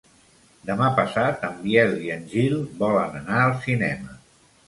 Demà passat en Biel i en Gil volen anar al cinema.